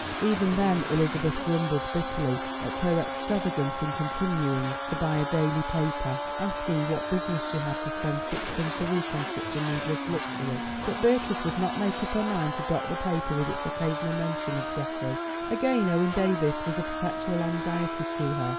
Even then, Elizabeth grumbled bitterly at her extravagance in continuing to buy a daily paper, asking what business she had to spend sixpence a week on such a needless luxury. But Beatrice would not make up her mind to dock the paper with its occasional mention of Geoffrey. Again, Owen Davies was a perpetual anxiety to her.